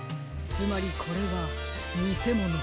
つまりこれはにせもの。